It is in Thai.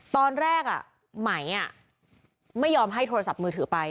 ตอนแรกไหมไม่ยอมให้โทรศัพท์มือถือไป